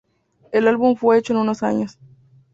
El álbum fue hecho en unos años.